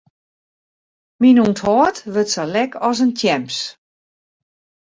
Myn ûnthâld wurdt sa lek as in tjems.